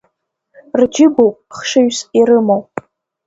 Рџьыбоуп хшыҩс ирымоу.